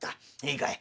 いいかい？